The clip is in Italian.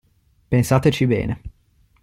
Pensateci bene.